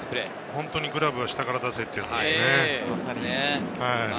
本当にグラブを下から出してという感じですね。